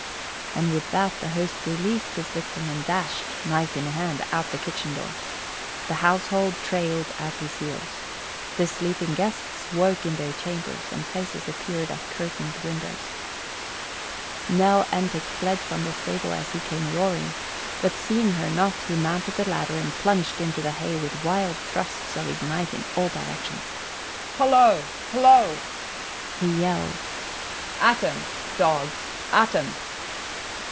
And with that the host released his victim and dashed, knife in hand, out the kitchen door. The household trailed at his heels. The sleeping guests woke in their chambers and faces appeared at curtained windows. Nell Entick fled from the stable as he came roaring, but seeing her not, he mounted the ladder and plunged into the hay with wild thrusts of his knife in all directions. "Hollo! Hollo!" he yelled. "At 'em, dogs, at 'em!"